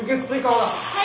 はい！